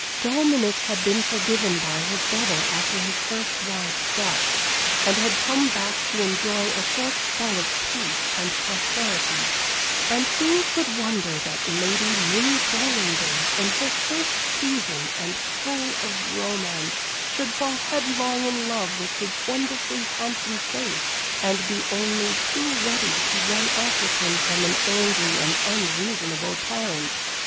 Dominic had been forgiven by his brother after his first wife's death, and had come back to enjoy a short spell of peace and prosperity. And who could wonder that Lady Minnie Borringdon, in her first season, and full of romance, should fall headlong in love with his wonderfully handsome face, and be only too ready to run off with him from an angry and unreasonable parent!